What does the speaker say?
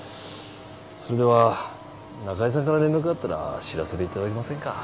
それでは中井さんから連絡があったら知らせて頂けませんか？